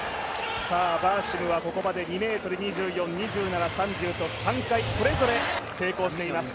バーシムはここまで２ｍ２４、２７３０と３回それぞれ成功しています。